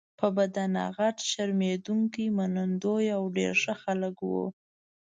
په بدنه غټ، شرمېدونکي، منندوی او ډېر ښه خلک وو.